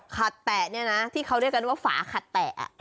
ขัดแตะเนี่ยนะที่เขาเรียกกันว่าฝาขัดแตะ